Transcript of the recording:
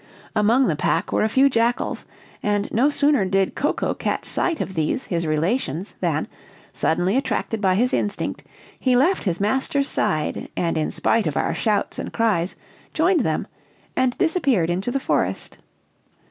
Among the pack were a few jackals, and no sooner did Coco catch sight of these, his relations, than, suddenly attracted by his instinct, he left his master's side, and in spite of our shouts and cries, joined them, and disappeared into the forest.